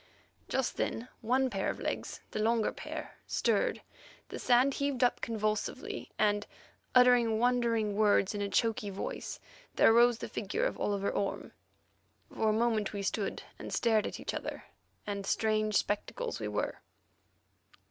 Just then one pair of legs, the longer pair, stirred, the sand heaved up convulsively, and, uttering wandering words in a choky voice, there arose the figure of Oliver Orme. For a moment we stood and stared at each other, and strange spectacles we were.